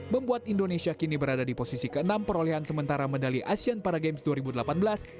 membuat indonesia kini berada di posisi ke enam perolehan sementara medali asean para games dua ribu delapan belas